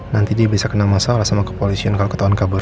nanti dia bisa kena masalah sama kepolisian kalau ketahuan kabur